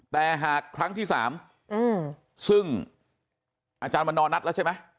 แต่หากครั้งที่๓ซึ่งอาจารย์วันนอนนัดแล้วใช่ไหม